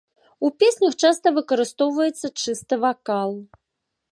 У песнях часта выкарыстоўваецца чысты вакал.